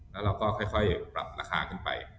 แล้วเราก็ค่อยปรับราคาขึ้นไป